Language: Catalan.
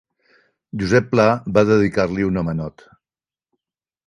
Josep Pla va dedicar-li un homenot.